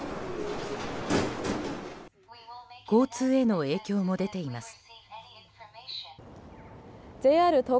交通への影響も出ています。